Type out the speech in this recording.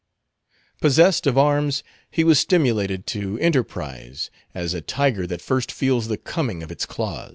Possessed of arms, he was stimulated to enterprise, as a tiger that first feels the coming of its claws.